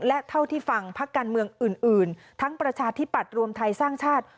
และเท่าที่ฟังพักการเมืองอื่นทั้งประชาธิปัตย์รวมไทยสร้างชาติ